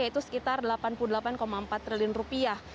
yaitu sekitar delapan puluh delapan empat triliun rupiah